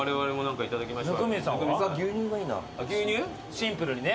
・シンプルにね。